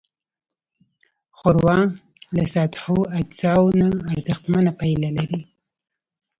ښوروا له سادهو اجزاوو نه ارزښتمنه پايله لري.